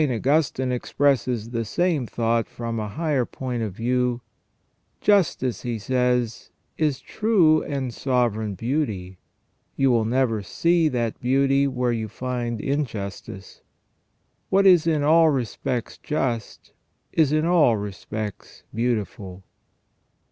Augustine expresses the same thought from a higher point of view : "Justice," he says, "is true and sovereign beauty. You will never see that beauty where you find injustice. What is in all respects just is in all respects beautiful."